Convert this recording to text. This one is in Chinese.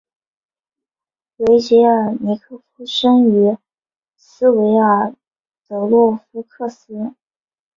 维捷尔尼科夫生于斯维尔德洛夫斯克。